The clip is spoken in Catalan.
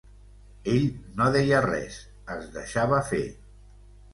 Ell no deia res, es deixava fer.